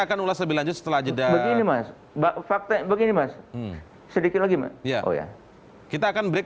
akan ulas lebih lanjut setelah jeda begini mas mbak fakta begini mas sedikit lagi mas ya oh ya kita akan break